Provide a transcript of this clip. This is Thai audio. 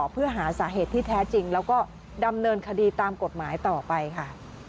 เพื่อหาสาเหตุที่แท้จริงแล้วก็ดำเนินคดีตามกฎหมายต่อไปค่ะ